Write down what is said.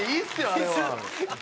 あれ。